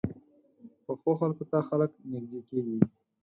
پخو خلکو ته خلک نږدې کېږي